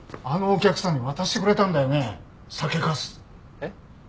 えっ？